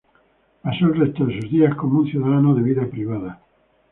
Pasó el resto de sus días como un ciudadano de vida privada.